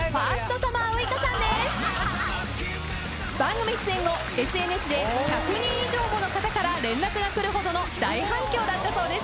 番組出演後ＳＮＳで１００人以上もの方から連絡が来るほどの大反響だったそうです。